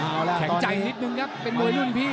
เอาล่ะแข็งใจนิดนึงครับเป็นมวยรุ่นพี่